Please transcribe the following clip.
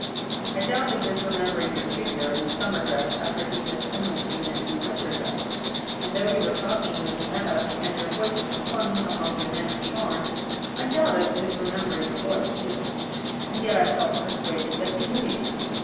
I doubted his remembering your figure in a summer dress after he had only seen it in a winter dress; and though we were talking when he met us, and your voice is one among your many charms, I doubted his remembering your voice, either. And yet I felt persuaded that he knew you.